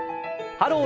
「ハロー！